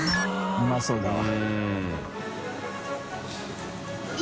うまそうだわ。